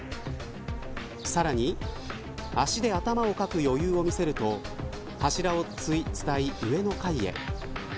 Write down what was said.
さらに足で頭をかく余裕を見せると柱を伝い、上の階へ。